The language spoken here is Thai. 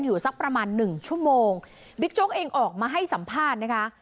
สักประมาณหนึ่งชั่วโมงบิ๊กโจ๊กเองออกมาให้สัมภาษณ์นะคะ